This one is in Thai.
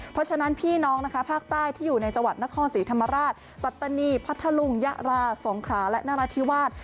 เพราะฉะนั้นพี่น้องนะคะภาคใต้ที่อยู่ในจังหวัดนครศรีธรรมราชปัตตานีพัทธลุงยะราสงขราและนราธิวาส